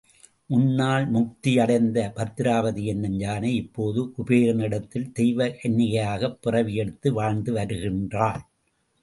முன்னால் முத்தியடைந்த பத்திராபதி என்னும் யானை, இப்போது குபேரனிடத்தில் தெய்வ கன்னிகையாகப் பிறவியெடுத்து வாழ்ந்து வருகின்றாள்.